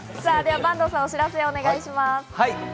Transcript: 坂東さん、お知らせをお願いします。